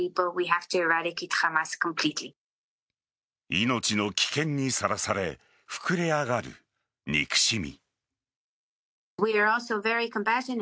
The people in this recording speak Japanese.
命の危険にさらされ膨れ上がる憎しみ。